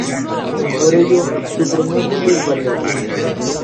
Por ello, su pronóstico es variable.